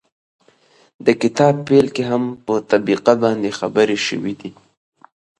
د کتاب پيل کې هم په طبقه باندې خبرې شوي دي